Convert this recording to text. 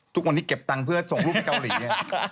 ทุกวันนี้เก็บเงินเพื่อส่งลูกไปเกาหลี